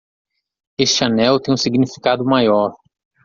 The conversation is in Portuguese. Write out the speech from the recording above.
Este anel tem um significado maior